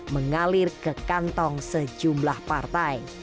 mengalir ke kantong sejumlah partai